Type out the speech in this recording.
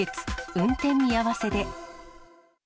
運転見合わせで。